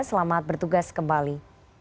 selamat bertugas kembali